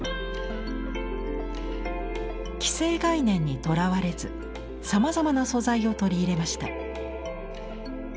既成概念にとらわれずさまざまな素材を取り入れました。